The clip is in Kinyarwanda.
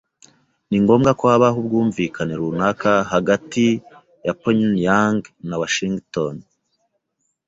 Ni ngombwa ko habaho ubwumvikane runaka hagati ya Pyongyang na Washington.